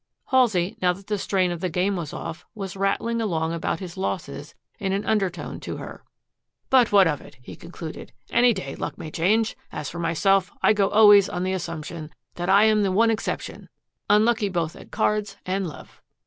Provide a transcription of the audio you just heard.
Halsey, now that the strain of the game was off, was rattling along about his losses in an undertone to her. "But what of it?" he concluded. "Any day luck may change. As for myself, I go always on the assumption that I am the one exception unlucky both at cards and love.